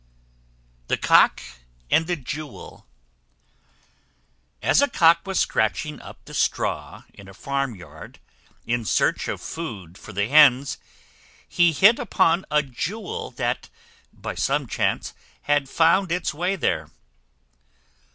THE COCK AND THE JEWEL. As a Cock was scratching up the straw, in a farm yard, in search of food for the hens, he hit upon a Jewel that by some chance had found its way there.